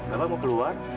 bapak mau keluar